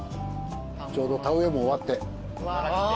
ちょうど田植えも終わって。